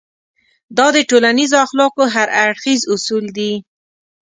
دا د ټولنيزو اخلاقو هر اړخيز اصول دی.